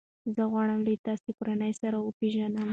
زه غواړم ستا له کورنۍ سره وپېژنم.